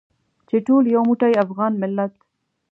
چې ټول یو موټی افغان ملت.